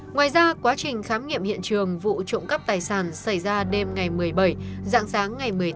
ngoài ra quá trình khám nghiệm hiện trường vụ trộm cắp tài sản xảy ra đêm ngày một mươi bảy dạng sáng ngày một mươi tám